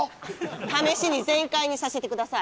試しに全開にさせてください。